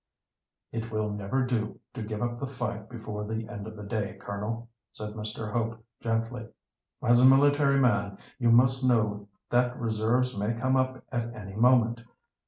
"It will never do to give up the fight before the end of the day, Colonel," said Mr. Hope, gently. "As a military man, you must know that reserves may come up at any moment.